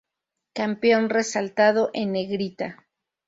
Campeón resaltado en negrita.